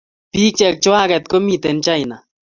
Pik che chwakek komiten China